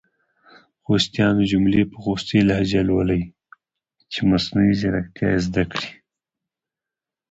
خوستیانو جملي په خوستې لهجه لولۍ چې مصنوعي ځیرکتیا یې زده کړې!